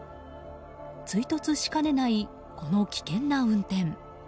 追突しかねないこの危険な運転。